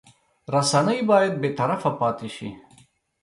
رسنۍ باید بېطرفه پاتې شي.